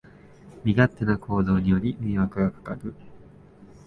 身勝手な行動により迷惑がかかる